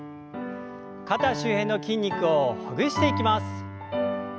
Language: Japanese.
肩周辺の筋肉をほぐしていきます。